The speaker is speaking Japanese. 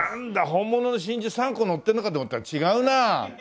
本物の真珠３個のってんのかと思ったら違うなあ。